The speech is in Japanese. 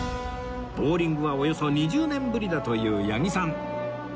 ボウリングはおよそ２０年ぶりだという八木さん